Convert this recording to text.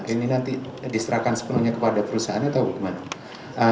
ini nanti diserahkan sepenuhnya kepada perusahaan atau bagaimana